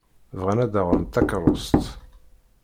Bɣan ad d-aɣent takeṛṛust.